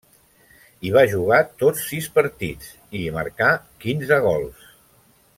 Hi va jugar tots sis partits, i hi marcà quinze gols.